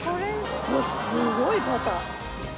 うわっすごいバター！